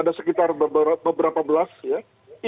ada sekitar beberapa belas ya